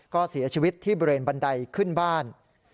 ก็เสียชีวิตที่บริเวณบันไดขึ้นบ้าน